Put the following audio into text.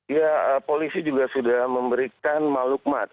ya polisi juga sudah memberikan maklumat